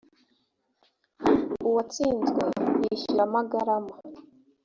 uwatsinzwe yishyura amagarama